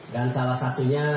dan salah satunya